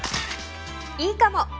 いいかも！